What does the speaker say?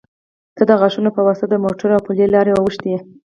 ته د غاښو يه واسطه د موټو او پلې لارې اوښتي